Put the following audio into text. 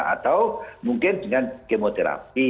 atau mungkin dengan kemoterapi